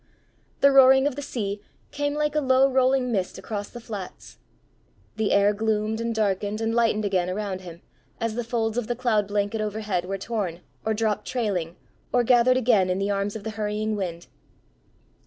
The roaring of the sea came like a low rolling mist across the flats. The air gloomed and darkened and lightened again around him, as the folds of the cloud blanket overhead were torn, or dropped trailing, or gathered again in the arms of the hurrying wind.